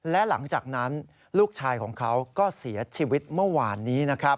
และหลังจากนั้นลูกชายของเขาก็เสียชีวิตเมื่อวานนี้นะครับ